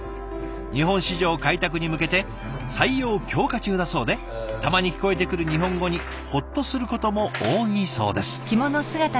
日本市場開拓に向けて採用強化中だそうでたまに聞こえてくる日本語にホッとすることも多いそうです。